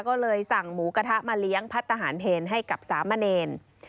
ก็เลยสั่งหมูกระทะมาเลี้ยงพัฒนาหารเพลให้กับสามเณร